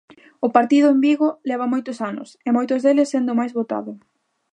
O partido en Vigo leva moitos anos, e moitos deles sendo o máis votado.